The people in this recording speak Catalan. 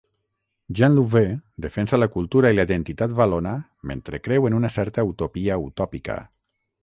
"Jean Louvet defensa la cultura i la identitat valona mentre creu en una certa utopia utòpica"